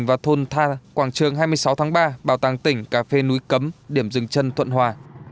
và thôn tha quảng trường hai mươi sáu tháng ba bảo tàng tỉnh cà phê núi cấm điểm rừng chân thuận hòa